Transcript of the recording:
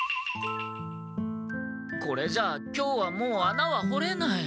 これじゃ今日はもう穴は掘れない。